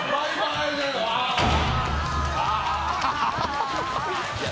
ああ。